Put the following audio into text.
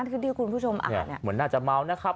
ที่คุณผู้ชมอ่านเนี่ยเหมือนน่าจะเมานะครับ